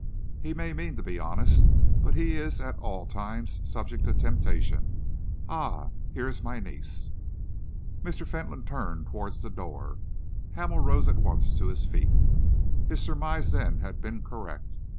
He may mean to be honest, but he is at all times subject to temptation. Ah! here is my niece." Mr. Fentolin turned towards the door. Hamel rose at once to his feet. His surmise, then, had been correct.